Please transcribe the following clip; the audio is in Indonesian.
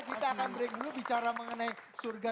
kita akan break dulu bicara mengenai surga